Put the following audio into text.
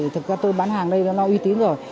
thực ra tôi bán hàng ở đây nó uy tín rồi